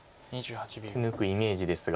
手抜くイメージですが。